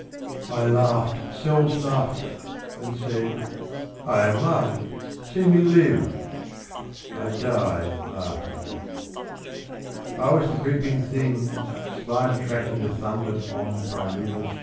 I laughed cells' laughter And said ;" I am life; see me live," 1 died laughing. I was the creeping things Slime tracking the thundered on Primaeval strata.